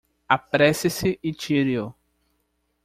Apresse-se e tire-o